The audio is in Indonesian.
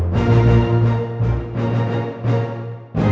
karena ini dapat mem cpa